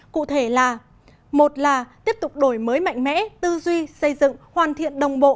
cụ thể là một là tiếp tục đổi mới mạnh mẽ tư duy xây dựng hoàn thiện đồng bộ